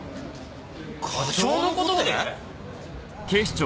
課長の事で？